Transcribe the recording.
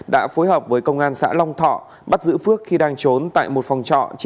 đã phối hợp với công an xã long thọ bắt giữ phước khi đang trốn tại một phòng trọ trên địa bàn xã long thọ